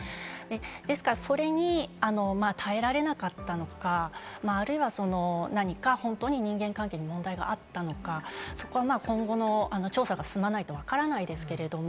ですからそれに耐えられなかったのか、あるいは何か本当に人間関係の問題があったのか、そこは今後の調査が進まないとわからないですけれども。